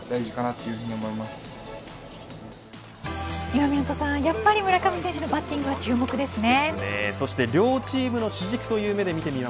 今湊さん、やっぱり村上選手のバッティングは注目ですね。